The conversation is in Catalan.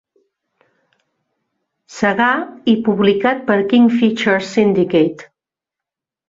Segar i publicat per King Features Syndicate.